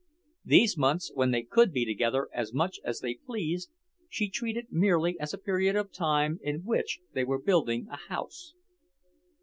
These months when they could be together as much as they pleased, she treated merely as a period of time in which they were building a house.